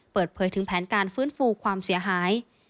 เปิดเผยถึงแผนการฟื้นฟูความเสียหาย